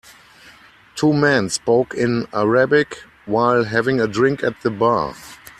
Two men spoke in Arabic while having a drink at the bar.